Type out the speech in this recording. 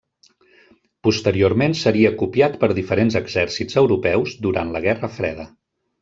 Posteriorment seria copiat per diferents exèrcits europeus durant la Guerra Freda.